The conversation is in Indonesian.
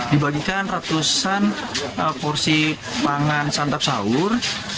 dibagikan ratusan porsi pangan santap sahur